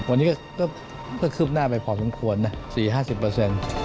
วันนี้ก็คืบหน้าไปพอสมควรนะ